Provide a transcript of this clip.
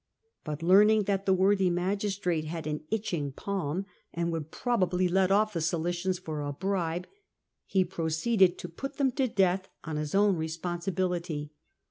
But learning that the worthy magistrate had an itching palm, and would probably let off the Cilicians for a bribe, he pro ceeded to put them to death on his own responsibility.